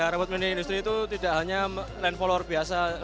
robot mini industrial itu tidak hanya line follower biasa